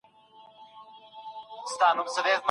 راتلونکی تل د لاسته راوړنو ځای دی.